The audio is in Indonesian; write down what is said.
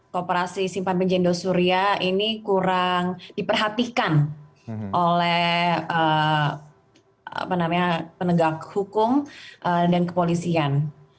kooperasi simpan penjendo surya ini kurang diperhatikan oleh penegak hukum dan kepolisian